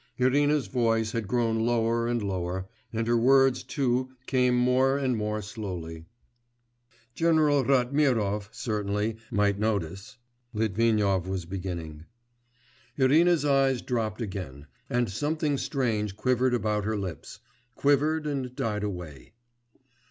Irina's voice had grown lower and lower, and her words too came more and more slowly. 'General Ratmirov, certainly, might notice,' Litvinov was beginning.... Irina's eyes dropped again, and something strange quivered about her lips, quivered and died away.